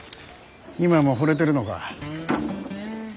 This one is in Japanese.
今もほれてるのか。